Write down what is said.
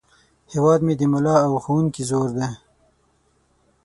هیواد مې د ملا او ښوونکي زور دی